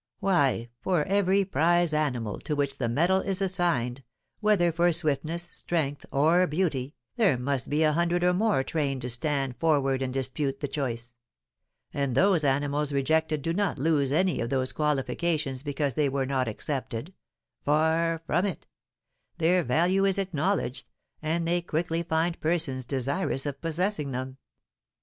Why, for every prize animal to which the medal is assigned, whether for swiftness, strength, or beauty, there must be a hundred or more trained to stand forward and dispute the choice; and those animals rejected do not lose any of those qualifications because they were not accepted; far from it; their value is acknowledged, and they quickly find persons desirous of possessing them.